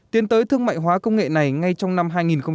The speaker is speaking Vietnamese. tiến tới thương mại hóa công nghệ này ngay trong năm hai nghìn hai mươi